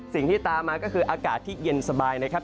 สิ่งที่ตามมาก็คืออากาศที่เย็นสบายนะครับ